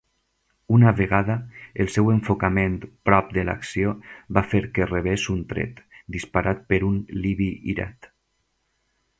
Una vegada, el seu enfocament "prop de l'acció" va fer que rebés un tret, disparat per un "libi irat".